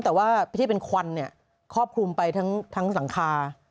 แต่ว่าพิธีเป็นควันครอบคลุมไปทั้งหลังคา